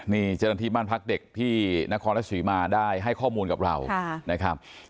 นี่เจ้าหน้าที่บ้านพักเด็กที่นครรัฐศรีมาได้ให้ข้อมูลกับเรานะครับ